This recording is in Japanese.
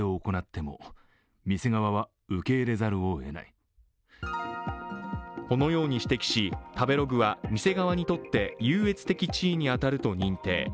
今日、東京地裁はこのように指摘し、食べログは店側にとって優越的地位に当たると認定。